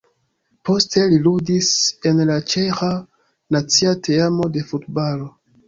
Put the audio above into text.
Poste li ludis en la ĉeĥa nacia teamo de futbalo.